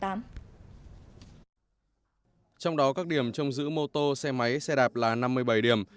trong đó các điểm trông giữ mô tô xe máy xe đạp là năm mươi bảy điểm